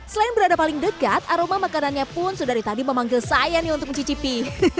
selain berada paling dekat aroma makanannya pun sudah dari tadi memanggil saya nih untuk mencicipi